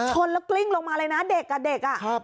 ชนแล้วกลิ้งลงมาเลยนะเด็กกับเด็กอ่ะ